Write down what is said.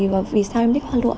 vì sao em thích hoa lụa